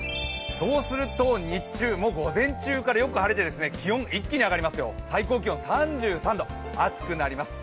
そうすると日中、午前中からよく晴れて気温一気に上がります、最高気温３３度、暑くなります。